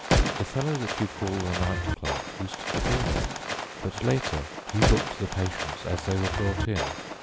The fellow that you call the night clerk used to be that, but later he booked the patients as they were brought in.